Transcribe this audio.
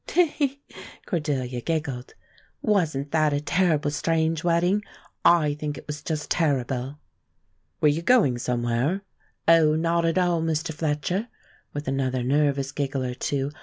"Te he!" Cordelia giggled. "Wasn't that a terrible strange wedding? I think it was just terrible." "Were you going somewhere?" "Oh, not at all, Mr. Fletcher," with another nervous giggle or two.